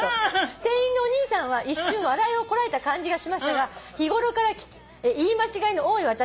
「店員のお兄さんは一瞬笑いをこらえた感じがしましたが日ごろから言い間違いの多い私」